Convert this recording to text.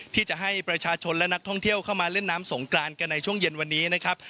ที่จะให้ประชาชนและนักท่องเที่ยวเข้ามาเล่นน้ำสงกรานกันในช่วงเย็นวันนี้นะครับ